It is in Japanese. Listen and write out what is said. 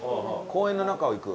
公園の中を行く？